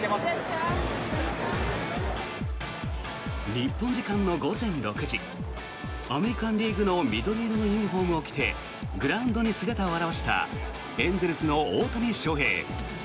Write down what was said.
日本時間の午前６時アメリカン・リーグの緑色のユニホームを着てグラウンドに姿を現したエンゼルスの大谷翔平。